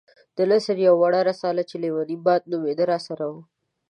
د نثر يوه وړه رساله چې ليونی باد نومېده راسره وه.